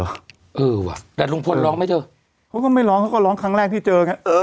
เออว่ะแต่ลุงพลร้องไหมเธอเขาก็ไม่ร้องเขาก็ร้องครั้งแรกที่เจอไงเออ